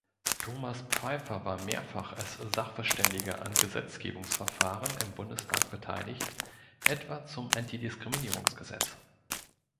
Thomas Pfeiffer war mehrfach als Sachverständiger an Gesetzgebungsverfahren im Bundestag beteiligt, etwa zum Antidiskriminierungsgesetz.